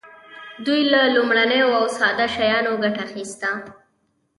دوی له لومړنیو او ساده شیانو ګټه اخیسته.